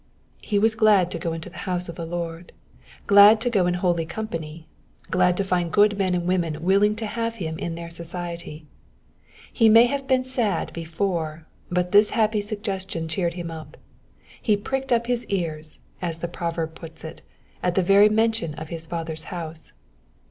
He was glad to go into the house of the Lord, glad to go in holy company, glad to lind good men and women willing to have him in their society. He may have been sad before, but this happy suggestion cheered him up : he pricked up his ears, as the proverb puts it, at the very mention of his Father's house.